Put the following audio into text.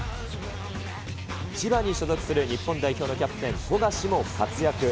千葉に所属する日本代表のキャプテン、富樫も活躍。